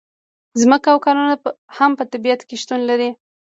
ځمکه او کانونه هم په طبیعت کې شتون لري.